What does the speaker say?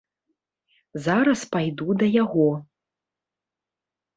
Зараз пайду да яго.